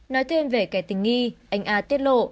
nói thêm về kẻ tình nghi anh a tiết lộ